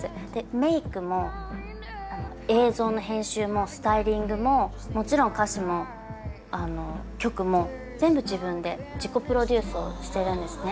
メークも映像の編集もスタイリングももちろん歌詞も曲も全部自分で自己プロデュースをしてるんですね。